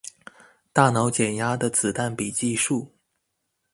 大腦減壓的子彈筆記術